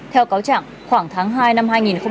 theo cáo chẳng khoảng tháng hai năm hai nghìn một mươi chín